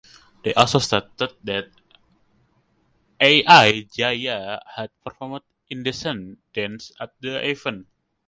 They also stated that Al Gala had performed "indecent" dances at the event.